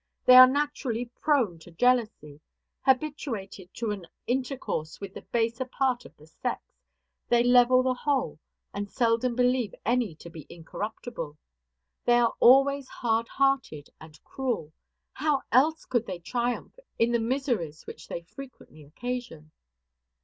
They are naturally prone to jealousy. Habituated to an intercourse with the baser part of the sex, they level the whole, and seldom believe any to be incorruptible. They are always hardhearted and cruel. How else could they triumph in the miseries which they frequently occasion?